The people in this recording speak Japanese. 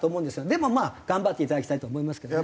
でも頑張っていただきたいと思いますけどね。